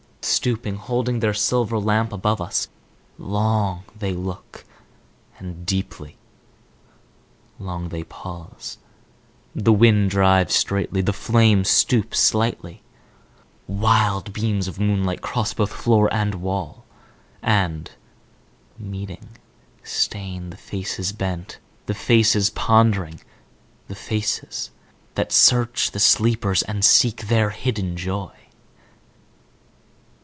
Stooping, holding their silver lamp above us, long they look and deeply. Long they pause. The wind drives straightly; the flame stoops slightly. Wild beams of moonlight cross both floor and wall, and, meeting, stain the faces bent; the faces pondering; the faces that search the sleepers and seek their hidden joy.